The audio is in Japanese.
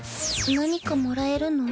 何かもらえるの？